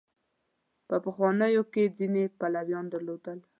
په پخوانو کې ځینې پلویان درلودل.